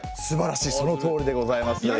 すばらしいそのとおりでございます。